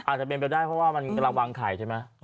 อาจจะเป็นไปได้เพราะว่ามันกำลังวางไข่ใช่ไหม